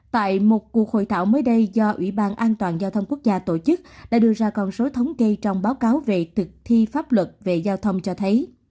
tại một cuộc hội thảo mới đây do ủy ban an toàn giao thông quốc gia tổ chức đã đưa ra con số thống kê trong báo cáo về thực thi pháp luật về giao thông cho thấy